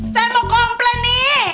saya mau komplain nih